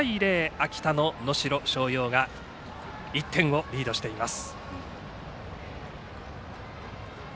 秋田の能代松陽が１点をリードしています。